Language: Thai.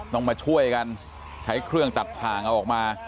ต้องมาช่วยกันใช้เครื่องตัดทางเอาออกมา